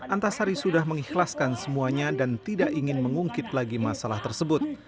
antasari sudah mengikhlaskan semuanya dan tidak ingin mengungkit lagi masalah tersebut